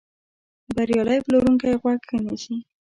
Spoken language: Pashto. بریالی پلورونکی غوږ ښه نیسي.